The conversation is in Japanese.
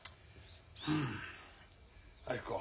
うん明子。